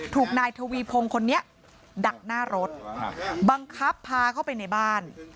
ถูกนายทวีพงศ์คนนี้ดักหน้ารถบังคับพาเข้าไปในบ้าน